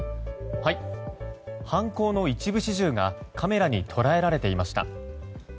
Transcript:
犯行の一部始終がカメラに捉えられていました。